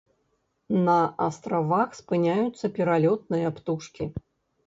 На астравах спыняюцца пералётныя птушкі.